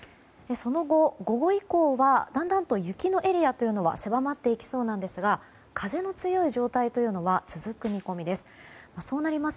その後、午後以降はだんだんと雪のエリアというのは狭まっていきそうなんですが風の強い状態というのは続く見込みです。